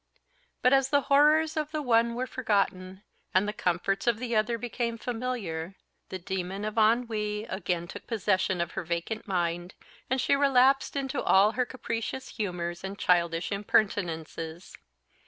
But as the horrors of the one were forgotten, and the comforts of the other became familiar, the demon of ennui again took possession of her vacant mind, and she relapsed into all her capricious humours and childish impertinences.